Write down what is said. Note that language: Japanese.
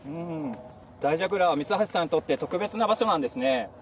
大蛇ぐらは、三橋さんにとって特別な場所なんですね。